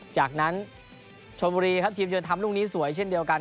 จากนั้นชมบุรีครับทีมเยือนทำลูกนี้สวยเช่นเดียวกัน